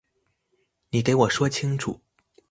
你给我说清楚